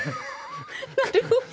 なるほど。